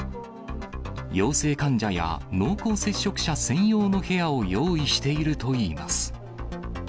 陽性患者や濃厚接触者専用の部屋を用意しているといいます。